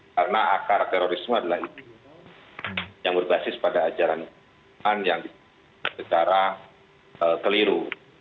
karena akar terorisme adalah itu yang berbasis pada ajaran yang secara keliru